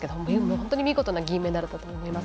本当に見事な銀メダルだと思います。